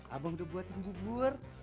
abang udah buat gugur